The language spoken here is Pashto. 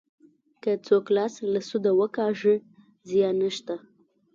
که څوک لاس له سوده وکاږي زیان نشته.